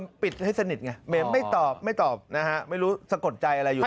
มันปิดให้สนิทไงเหมไม่ตอบไม่ตอบนะฮะไม่รู้สะกดใจอะไรอยู่